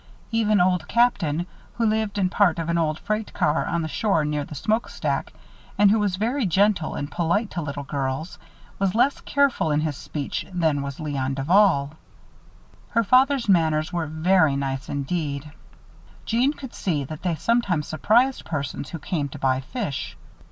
Even Old Captain, who lived in part of an old freight car on the shore near the smoke stack, and who was very gentle and polite to little girls, was less careful in his speech than was Léon Duval. Her father's manners were very nice indeed. Jeanne could see that they sometimes surprised persons who came to buy fish.